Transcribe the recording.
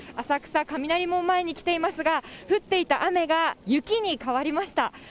浅草・雷門前に来ていますが、降っていた雨が、雪に変わりました。